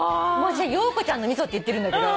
ヨウコちゃんの味噌って言ってるんだけど。